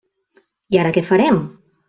I ara què farem?